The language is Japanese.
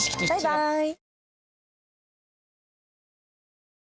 バイバイ！